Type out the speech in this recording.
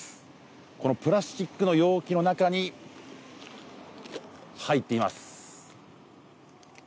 このプラスチックの容器の中に入っています。